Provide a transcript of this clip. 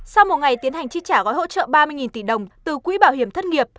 sau một ngày tiến hành chi trả gói hỗ trợ ba mươi tỷ đồng từ quỹ bảo hiểm thất nghiệp